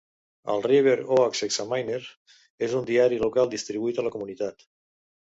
El "River Oaks Examiner" és un diari local distribuït a la comunitat.